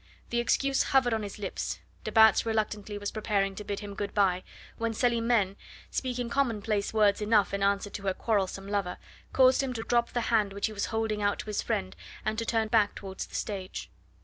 The excuse hovered on his lips, de Batz reluctantly was preparing to bid him good bye, when Celimene, speaking common place words enough in answer to her quarrelsome lover, caused him to drop the hand which he was holding out to his friend and to turn back towards the stage.